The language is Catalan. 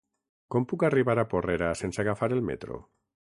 Com puc arribar a Porrera sense agafar el metro?